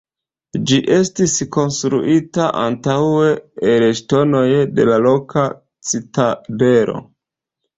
Ĝi estis konstruita antaŭe el ŝtonoj de la loka citadelo.